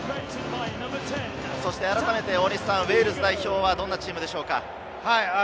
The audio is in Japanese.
改めてウェールズ代表はどんなチームでしょうか？